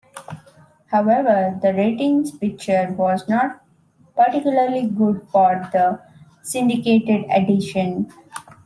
However, the ratings picture was not particularly good for the syndicated edition.